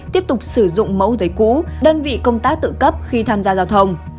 tiếp tục sử dụng mẫu giấy cũ đơn vị công tác tự cấp khi tham gia giao thông